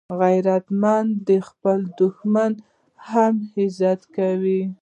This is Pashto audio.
غیرتمند د خپل دښمن هم عزت کوي